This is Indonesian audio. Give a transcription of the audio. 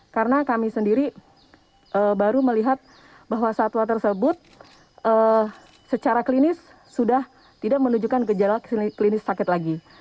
karena kami sendiri baru melihat bahwa satwa tersebut secara klinis sudah tidak menunjukkan gejala klinis sakit lagi